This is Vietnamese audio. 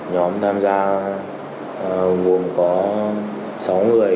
nhóm tham gia nguồn có sáu người